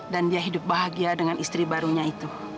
dan dia hidup bahagia dengan istri barunya itu